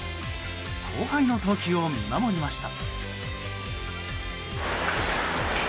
後輩の投球を見守りました。